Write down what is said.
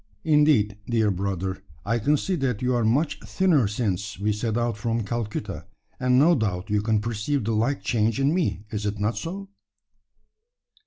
Indeed, dear brother, I can see that you are much thinner since we set out from Calcutta; and no doubt you can perceive the like change in me. Is it not so?"